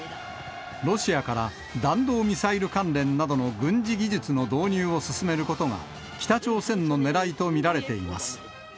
ロシアから弾道ミサイル関連などの軍事技術の導入を進めることが、北朝鮮のねらいと見られています。